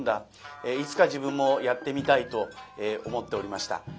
いつか自分もやってみたい」と思っておりました。